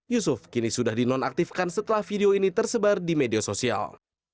yusuf kini sudah dinonaktifkan setelah video ini tersebar di media sosial